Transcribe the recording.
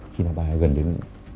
khi mà bà gần đến